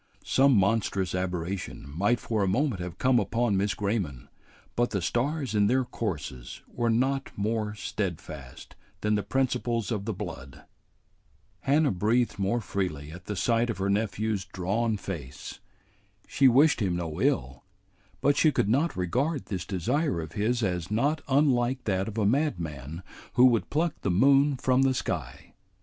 Some monstrous aberration might for a moment have come upon Miss Grayman, but the stars in their courses were not more steadfast than the principles of the blood. Hannah breathed more freely at the sight of her nephew's drawn face. She wished him no ill, but she could not regard this desire of his as not unlike that of a madman who would pluck the moon from the sky.